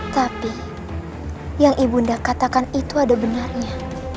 tapi yang ibu nda katakan itu ada benarnya